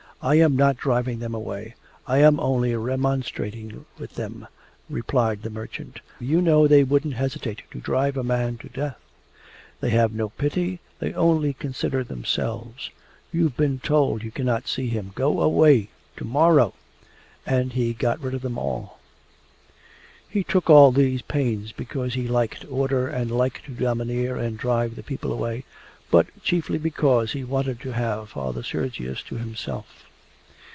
I am not driving them away. I am only remonstrating with them,' replied the merchant. 'You know they wouldn't hesitate to drive a man to death. They have no pity, they only consider themselves.... You've been told you cannot see him. Go away! To morrow!' And he got rid of them all. He took all these pains because he liked order and liked to domineer and drive the people away, but chiefly because he wanted to have Father Sergius to himself.